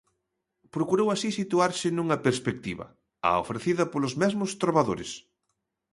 Procurou así situarse nunha perspectiva: a ofrecida polos mesmos trobadores.